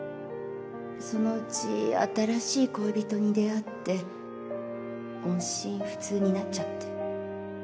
そのうち新しい恋人に出会って音信不通になっちゃって。